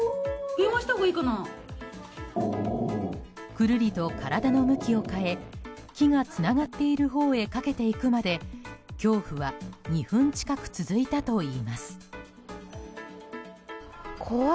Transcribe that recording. くるりと体の向きを変え木がつながっているほうへ駆けていくまで、恐怖は２分近く続いたといいます。